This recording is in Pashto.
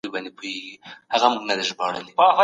تاسو به د خپل ژوند په هره شېبه کي پوهه زیاتوئ.